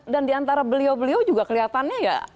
dan diantara beliau beliau juga kelihatannya ya